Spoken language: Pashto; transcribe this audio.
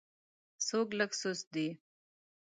څوک لږ سست دی.